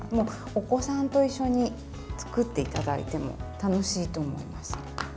お子さんと一緒に作っていただいても楽しいと思います。